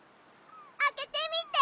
あけてみて！